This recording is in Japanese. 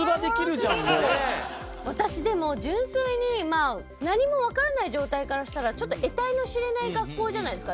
私でも純粋に何もわからない状態からしたらちょっと得体の知れない学校じゃないですか。